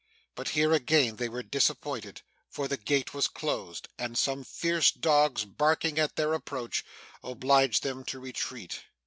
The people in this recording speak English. But here again they were disappointed, for the gate was closed, and some fierce dogs, barking at their approach, obliged them to retreat.